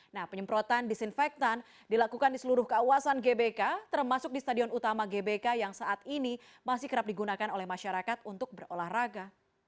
nah penyemprotan disinfektan dilakukan di seluruh kawasan gbk termasuk di stadion utama gbk yang saat ini masih kerap digunakan oleh masyarakat untuk berolahraga